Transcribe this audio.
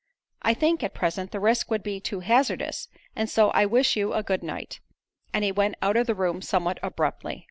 "I think, at present, the risk would be too hazardous, and so I wish you a good night." And he went out of the room somewhat abruptly.